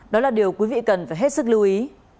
đó là điều quý vị cần phải hết sức lưu ý